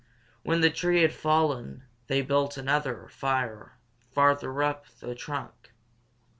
When the tree had fallen they built another fire farther up the trunk.